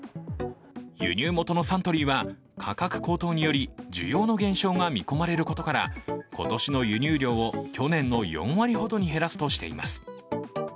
輸入元のサントリーは価格高騰により需要の減少が見込まれることから今年の輸入量を去年の４割ほどに減らすとしています。